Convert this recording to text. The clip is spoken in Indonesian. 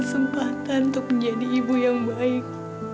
kesempatan untuk menjadi ibu yang baik